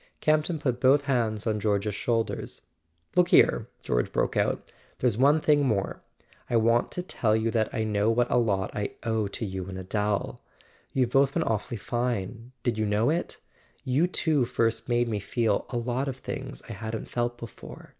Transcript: Campton put both hands on George's shoulders. "Look here," George broke out, "there's one thing more. I want to tell you that I know what a lot I owe to you and Adele. You've both been awfully fine: did you know it ? You two first made me feel a lot of things I hadn't felt before.